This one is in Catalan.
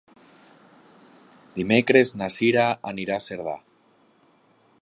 Dimecres na Sira anirà a Cerdà.